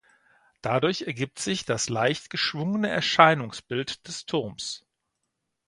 Dadurch ergibt sich das leicht geschwungene Erscheinungsbild des Turms.